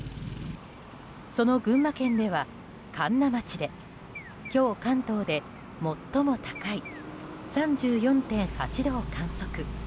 その群馬県では神流町で今日、関東で最も高い３４．８度を観測。